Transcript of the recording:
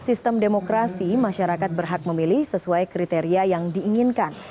sistem demokrasi masyarakat berhak memilih sesuai kriteria yang diinginkan